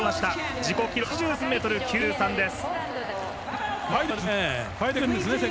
自己記録８３ｍ９３です。